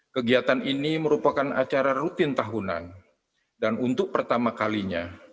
kegiatan ini merupakan acara rutin tahunan dan untuk pertama kalinya